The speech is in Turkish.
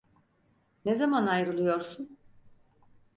Ne zaman ayrılıyorsun?